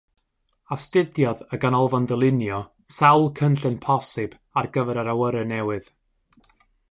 Astudiodd y ganolfan ddylunio sawl cynllun posib ar gyfer yr awyren newydd.